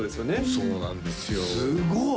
そうなんですよすごっ！